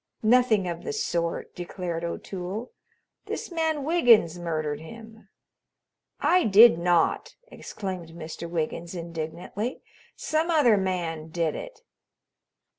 "Nothing of the sort," declared O'Toole. "This man Wiggins murdered him." "I did not!" exclaimed Mr. Wiggins indignantly. "Some other man did it."